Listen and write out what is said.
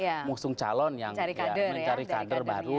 mengusung calon yang mencari kader baru